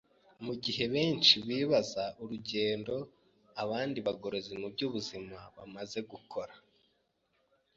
Mu gihe benshi bibaza urugendo abandi bagorozi mu by’ubuzima bamaze gukora,